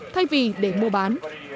thay vì để mua bán